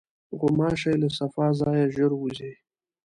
غوماشې له صفا ځایه ژر وځي.